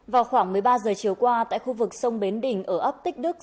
vào khoảng một mươi ba giờ chiều qua tại khu vực sông bến đình ở ấp tích đức